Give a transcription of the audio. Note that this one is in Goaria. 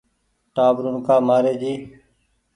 ٽآٻرون ڪآ مآري جي